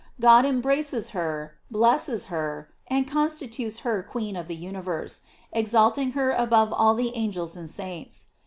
God embraces her, blesses her, and constitutes her queen of the uni verse, exalting her above all the angels and saints.